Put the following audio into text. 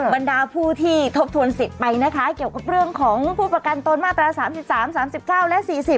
บรรดาผู้ที่ทบทวนสิทธิ์ไปนะคะเกี่ยวกับเรื่องของผู้ประกันตนมาตรา๓๓๙และ๔๐